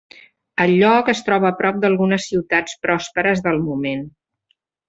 El lloc es troba a prop d'algunes ciutats pròsperes del moment.